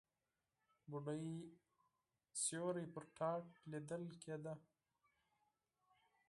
بوډۍ سيوری پر تاټ ليدل کېده.